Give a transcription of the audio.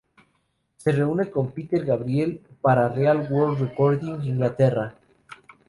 Se reúne con Peter Gabriel para el Real World Recording en Inglaterra.